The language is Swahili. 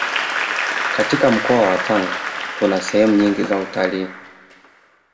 katika mkoa wa Tanga kuna sehemu nyingi za utalii